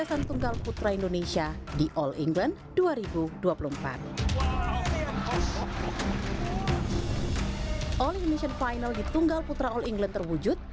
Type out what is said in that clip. alun indonesian final di tunggal putra all england terwujud